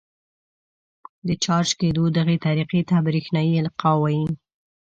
د چارج کېدو دغې طریقې ته برېښنايي القاء وايي.